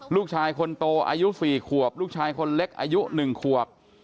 ลูกชายคนโตอายุ๔ขวบลูกชายคนเล็กอายุ๑ขวบ